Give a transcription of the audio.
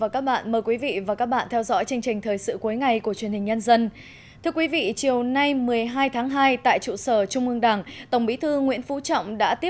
các bạn hãy đăng ký kênh để ủng hộ kênh của chúng mình nhé